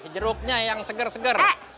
jeruknya yang seger seger